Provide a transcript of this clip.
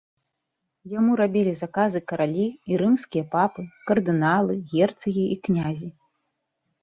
Яму рабілі заказы каралі і рымскія папы, кардыналы, герцагі і князі.